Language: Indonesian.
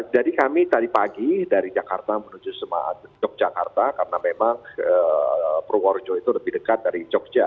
jadi kami tadi pagi dari jakarta menuju jogjakarta karena memang purworejo itu lebih dekat dari jogja